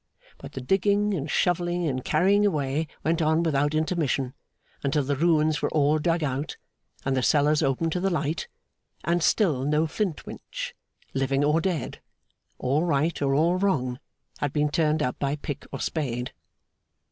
But the digging and shovelling and carrying away went on without intermission, until the ruins were all dug out, and the cellars opened to the light; and still no Flintwinch, living or dead, all right or all wrong, had been turned up by pick or spade.